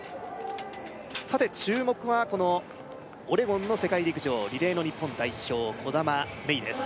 さて注目はこのオレゴンの世界陸上リレーの日本代表兒玉芽生です